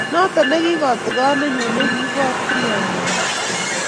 Notok ne kikotigoneenyu ne kiiboor tilyandinyu.